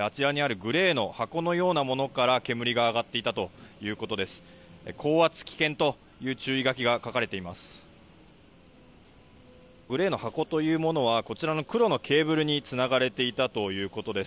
グレーの箱というものは黒いケーブルにつながれていたということです。